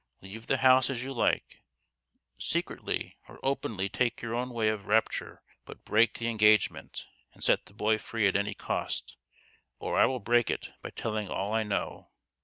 " Leave the house as you like, secretly or openly take your own way of rupture but break the 1 82 THE GHOST OF THE PAST. engagement and set the boy free at any cost, or I will break it by telling all I know.